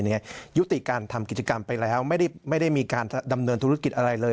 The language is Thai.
ยุติการทำกิจกรรมไปแล้วไม่ได้มีการดำเนินธุรกิจอะไรเลย